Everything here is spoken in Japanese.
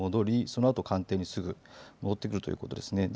そのあと官邸にすぐ戻ってくるということですね。